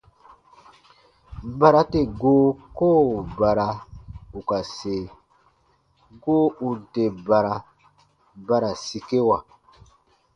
Bara tè goo koo bara ù ka se, goo ù n tè bara, ba ra sikewa.